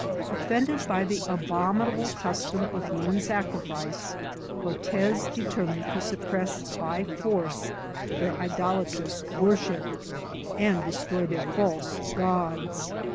Offended by the abominable custom of human sacri fices, Cortez determined to suppress by force their idol atrous worship, and destroy their false gods.